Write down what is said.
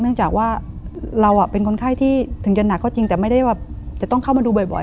เนื่องจากว่าเราเป็นคนไข้ที่ถึงจะหนักก็จริงแต่ไม่ได้แบบจะต้องเข้ามาดูบ่อย